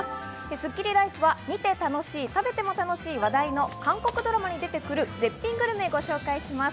スッキリＬＩＦＥは見て楽しい、食べても楽しい、話題の韓国ドラマに出てくる絶品グルメをご紹介します。